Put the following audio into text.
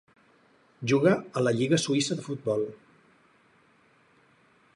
Juga a la lliga suïssa de futbol.